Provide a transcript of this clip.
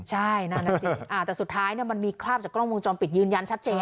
ใช่นั่นแหละสิอ่าแต่สุดท้ายเนี้ยมันมีความจากกล้องมูลจอมปิดยืนยันชัดเจนอ่ะ